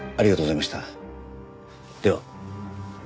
では。